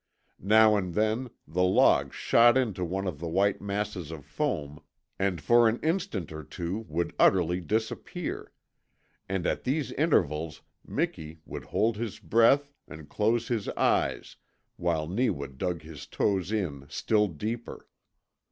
Now and then the log shot into one of the white masses of foam and for an instant or two would utterly disappear; and at these intervals Miki would hold his breath and close his eyes while Neewa dug his toes in still deeper.